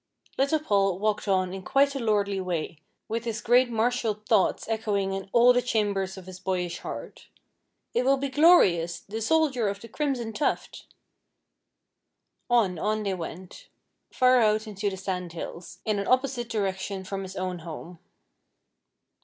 Little Paul walked on in quite a lordly way, with his great martial thoughts echoing in all the chambers of his boyish heart, "It will be glorious the soldier of the crimson tuft!" On, on they went, far out into the sand hills, in an opposite direction from his own home.